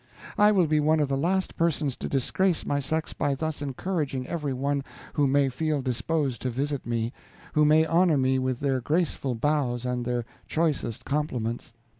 I will be one of the last persons to disgrace my sex by thus encouraging every one who may feel disposed to visit me, who may honor me with their graceful bows and their choicest compliments.